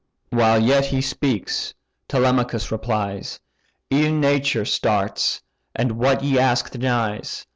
While yet he speaks, Telemachus replies: "Ev'n nature starts, and what ye ask denies.